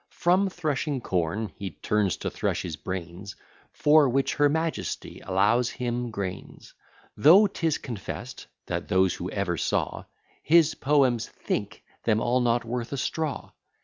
From threshing corn he turns to thresh his brains; For which her majesty allows him grains: Though 'tis confest, that those, who ever saw His poems, think them all not worth a straw!